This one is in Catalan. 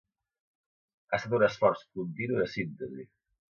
Ha estat un esforç continu de síntesi.